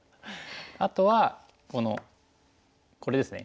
あとはこのこれですね。